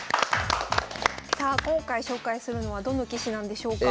さあ今回紹介するのはどの棋士なんでしょうか？